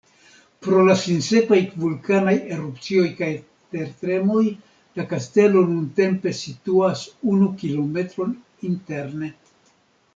Pro la sinsekvaj vulkanaj erupcioj kaj tertremoj, la kastelo nuntempe situas unu kilometron interne.